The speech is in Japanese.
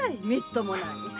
みっともない。